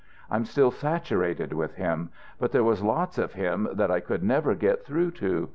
I'm still saturated with him, but there was lots of him that I could never get through to.